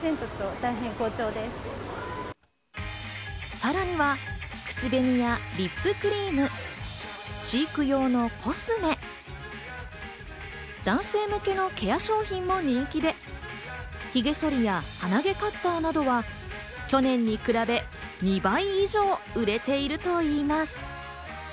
さらには口紅やリップクリーム、チーク用のコスメ、男性向けのケア商品も人気で、ひげそりや鼻毛カッターなどは、去年に比べ、２倍以上売れているといいます。